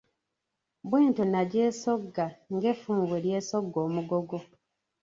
Bwentyo nagyesogga ng'effumu bwe lyesogga omugogo.